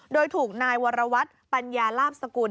โดยถูกนายวรวัตรปัญญาลาบสกุล